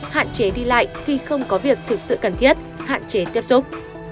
hạn chế đi lại khi không có việc thực sự cần thiết hạn chế tiếp xúc